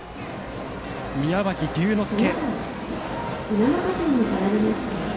宮脇隆之介。